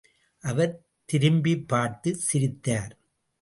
அவர் திரும்பிப்பார்த்து சிரித்தார்.